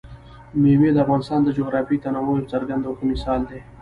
مېوې د افغانستان د جغرافیوي تنوع یو څرګند او ښه مثال دی.